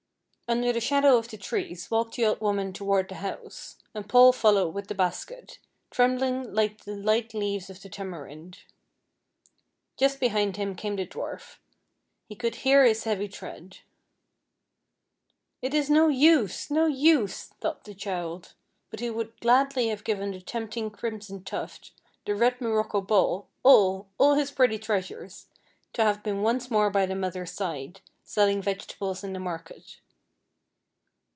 Under the shadow of the trees walked the old woman toward the house, and Paul followed with the basket, trembling like the light leaves of the tamarind. Just behind him came the dwarf. He could hear his heavy tread. "It is no use! no use!" thought the child; but he would gladly have given the tempting crimson tuft, the red morocco ball, all, all his pretty treasures, to have been once more by the mother's side, selling vegetables in the market.